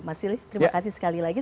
mas silih terima kasih sekali lagi